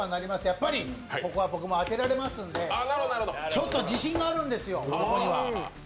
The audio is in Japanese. やっぱりここは僕も当てられますんでちょっと自信があるんですよ、ここには。